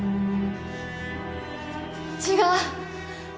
違う！